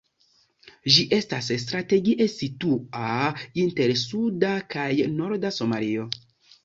Ĝi estas strategie situa inter suda kaj norda Somalio.